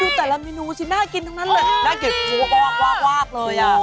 ดูแต่ละเมนูน่ากินทั้งนั้นเลยน่ากินเวาะเลย